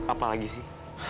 apa lagi sih